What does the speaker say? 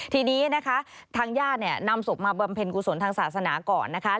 ทีนี้นะคะทางญาติเนี่ยนำศพมาบำเพ็ญกุศลทางศาสนาก่อนนะคะ